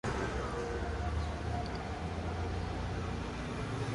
Gravas la civitana protestado.